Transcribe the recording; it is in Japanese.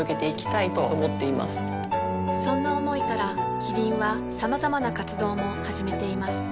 そんな思いからキリンはさまざまな活動も始めています